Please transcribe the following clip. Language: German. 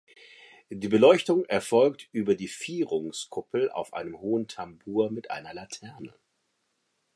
Die Beleuchtung erfolgt über die Vierungskuppel auf einem hohen Tambour mit einer Laterne.